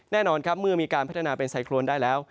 แน่นอนครับเมื่อมีการพัฒนาเป็นไซโครนได้แล้ว